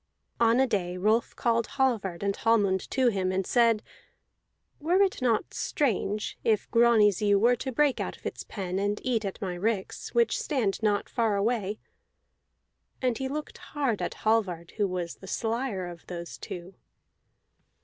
On a day Rolf called Hallvard and Hallmund to him, and said: "It were not strange if Grani's ewe were to break out of its pen and eat at my ricks, which stand not far away." And he looked hard at Hallvard, who was the slyer of those two.